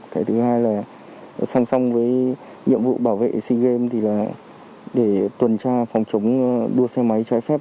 cái thứ hai là song song với nhiệm vụ bảo vệ sea games thì là để tuần tra phòng chống đua xe máy trái phép